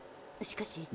しかし。